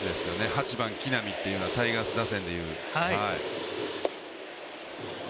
８番・木浪っていうのはタイガース打線でいう。